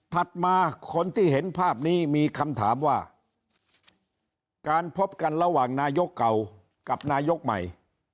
มาคนที่เห็นภาพนี้มีคำถามว่าการพบกันระหว่างนายกเก่ากับนายกใหม่